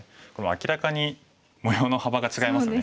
明らかに模様の幅が違いますよね。